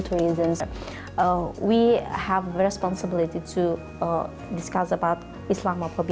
kami berpikir tentang kemampuan kita untuk membicarakan tentang islamophobia